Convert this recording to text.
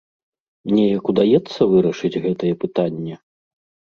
Неяк удаецца вырашыць гэтае пытанне?